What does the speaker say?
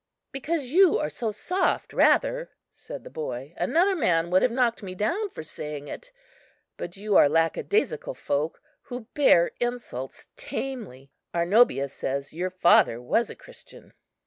"Because you are so soft, rather," said the boy. "Another man would have knocked me down for saying it; but you are lackadaisical folk, who bear insults tamely. Arnobius says your father was a Christian."